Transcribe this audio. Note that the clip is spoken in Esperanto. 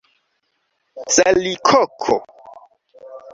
salikoko